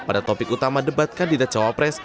pada topik utama debat kandidat cawa pres